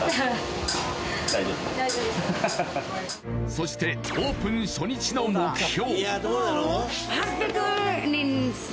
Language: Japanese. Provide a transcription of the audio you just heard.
そしてオープン初日の目標